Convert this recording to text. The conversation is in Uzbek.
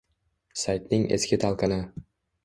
Saytning eski talqini